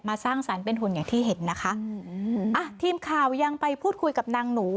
สร้างสรรค์เป็นหุ่นอย่างที่เห็นนะคะอืมอ่ะทีมข่าวยังไปพูดคุยกับนางหนู